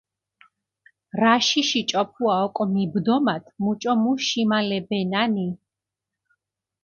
რაშიში ჭოფუა ოკო მიბდომათ მუჭო მუ შიმალებენანი.